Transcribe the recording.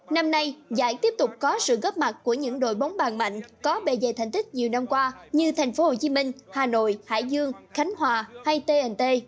năm nay giải tiếp tục có sự góp mặt của những đội bóng bàn mạnh có bề dày thành tích nhiều năm qua như tp hcm hà nội hải dương khánh hòa hay tnt